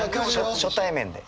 初対面で。